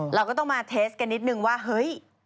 เราก็ต้องมาเทสกันนิดนึงว่าเฮ้ย